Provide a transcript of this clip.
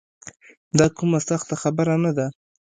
دا کومه سخته خبره نه ده.